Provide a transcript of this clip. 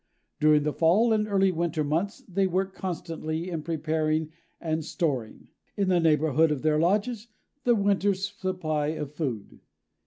During the fall and early winter months they work constantly in preparing and storing, in the neighborhood of their lodges, the winter's supply of food.